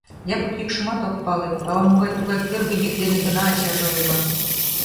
Япык йӱкшымат ок пале, ала-мо тугай кӧргӧ йӱк дене гына ачаже ойла: